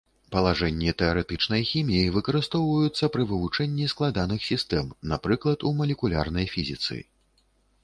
Палажэнні тэарэтычнай хіміі выкарыстоўваюцца пры вывучэнні складаных сістэм, напрыклад у малекулярнай фізіцы.